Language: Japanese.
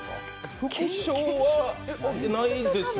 副賞はないですよ。